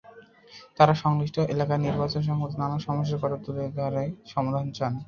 তাঁরা সংশ্লিষ্ট এলাকার নির্বাচন-সংক্রান্ত নানা সমস্যার কথা তুলে ধরে সমাধান চান।